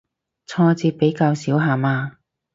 挫折比較少下嘛